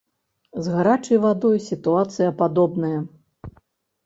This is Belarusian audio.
З гарачай вадой сітуацыя падобная.